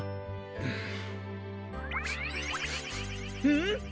うん！？